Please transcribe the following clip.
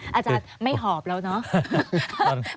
อาจารย์ไม่หอบแล้วเนาะ